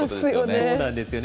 そうなんですよね。